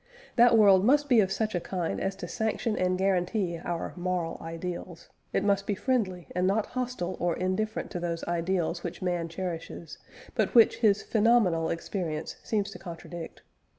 That world must be of such a kind as to sanction and guarantee our moral ideals; it must be friendly and not hostile or indifferent to those ideals which man cherishes, but which his "phenomenal" experience seems to contradict.